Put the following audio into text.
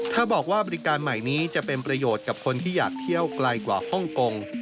ถ้าบอกว่าบริการใหม่นี้จะเป็นประโยชน์กับคนที่อยากเที่ยวไกลกว่าฮ่องกง